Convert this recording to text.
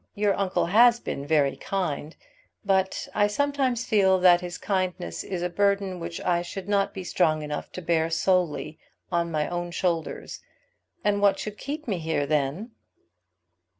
Your uncle has been very kind, but I sometimes feel that his kindness is a burden which I should not be strong enough to bear solely on my own shoulders. And what should keep me here, then?"